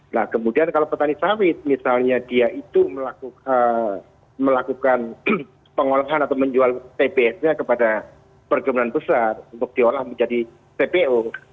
nah kemudian kalau petani sawit misalnya dia itu melakukan pengolahan atau menjual tbs nya kepada perkebunan besar untuk diolah menjadi cpo